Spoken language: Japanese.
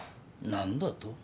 何だと？